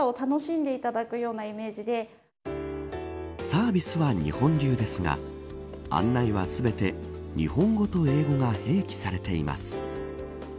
サービスは日本流ですが案内は全て日本語と英語が併記されています。